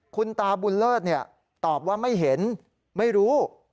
คุณตาบุญเลิศตอบว่าไม่เห็นไม่รู้